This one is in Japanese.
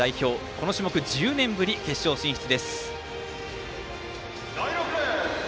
この種目１０年ぶり決勝進出です。